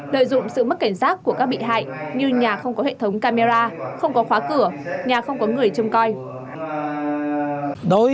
đợi dụng sự mất cảnh sát của các bị hại như nhà không có hệ thống camera không có khóa cửa nhà không có người chung coi